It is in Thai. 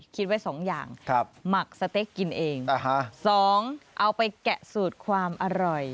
คิดไว้สองอย่างหมักสเต็กกินเอง๒เอาไปแกะสูตรความอร่อย